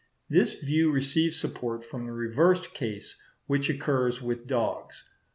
This view receives support from the reversed case which occurs with dogs.